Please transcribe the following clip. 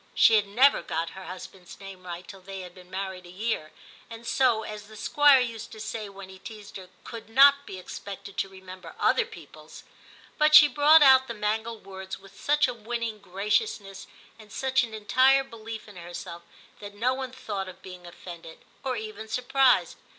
* She had never got her husband's name right till they had been married a year, and so, as the Squire used to say when he teased her, could not be expected to re member other people's, but she brought out the mangled words with such a winning graciousness and such an entire belief in herself, that no one thought of being offended, or even surprised.